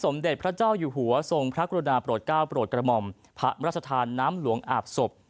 เด็จพระเจ้าอยู่หัวทรงพระกรุณาโปรดก้าวโปรดกระหม่อมพระราชทานน้ำหลวงอาบศพ